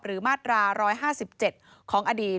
หรือมาตรา๑๕๗ของอดีต